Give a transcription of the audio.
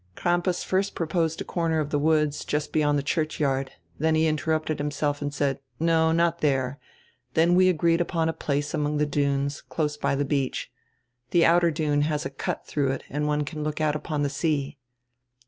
"Crampas first proposed a corner of the woods, just behind the churchyard. Then he interrupted himself and said: 'No, not there.' Then we agreed upon a place among the dunes, close by the beach. The outer dune has a cut through it and one can look out upon the sea."